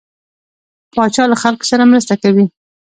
پاچا له خلکو سره مرسته کوي.